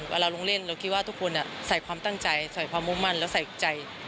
เราลงเล่นเราคิดว่าทุกคนใส่ความตั้งใจใส่ความมุ่งมั่นแล้วใส่ใจ